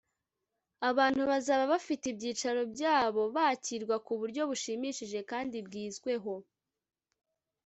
abantu bazaba bafite ibyicaro byabo bakirwa ku buryo bushimishije kandi bwizweho